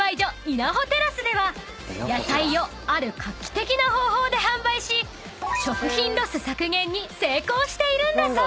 「いなほてらす」では野菜をある画期的な方法で販売し食品ロス削減に成功しているんだそう］